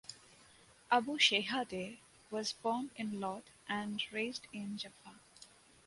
Abu Shehadeh was born in Lod and raised in Jaffa.